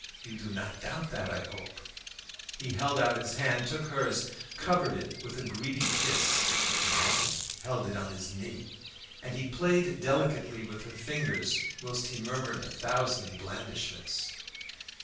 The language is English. You do not doubt that, I hope?" He held out his hand, took hers, covered it with a greedy kiss, then held it on his knee; and he played delicately with her fingers whilst he murmured a thousand blandishments.